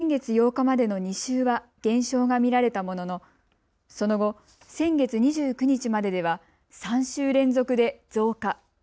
４月２５日以降、先月８日までの２週は減少が見られたもののその後、先月２９日まででは３週連続で増加。